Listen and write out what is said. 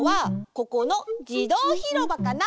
ここのじどうひろばかな？